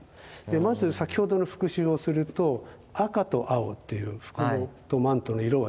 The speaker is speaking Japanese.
まず先ほどの復習をすると赤と青っていう服とマントの色はいいですよね。